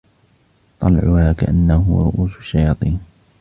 طلعها كأنه رءوس الشياطين